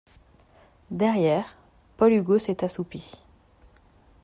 Derrière, Paul Hugot s'est assoupi.